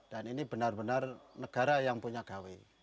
dan ini benar benar negara yang punya gawe